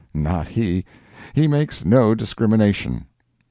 Not he—he makes no discrimination.